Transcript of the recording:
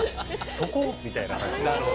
そこ？みたいな感じでしたよ。